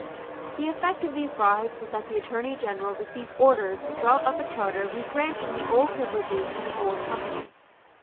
The effect of these bribes was that the Attorney General received orders to draw up a charter regranting the old privileges to the old Company.